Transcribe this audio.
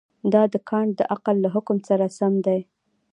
دا د کانټ د عقل له حکم سره سم دی.